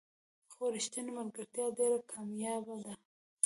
خو رښتینې ملګرتیا ډېره کمیابه ده.